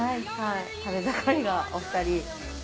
食べ盛りがお二人。